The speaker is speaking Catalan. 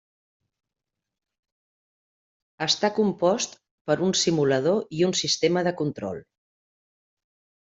Està compost per un simulador i un sistema de control.